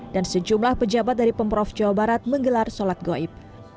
dan sejumlah pejabat dari pemprov jawa barat menggelar sholat gaib